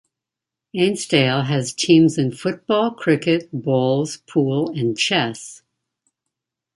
Ainsdale has teams in football, cricket, bowls, pool and chess.